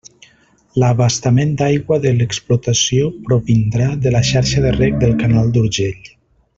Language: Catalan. L'abastament d'aigua de l'explotació provindrà de la xarxa de reg del canal d'Urgell.